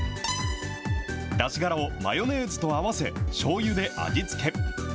だしがらをマヨネーズと合わせ、しょうゆで味付け。